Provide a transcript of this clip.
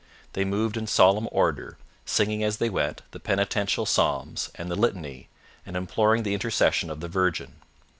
They moved in solemn order, singing as they went the penitential psalms and the Litany, and imploring the intercession of the Virgin.